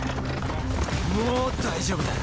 もう大丈夫だ。